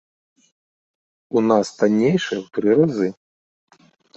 У нас таннейшы ў тры разы.